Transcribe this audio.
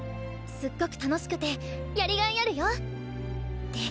すっごく楽しくてやりがいあるよ！って